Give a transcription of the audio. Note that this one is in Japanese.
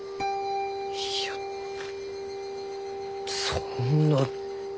いやそんな。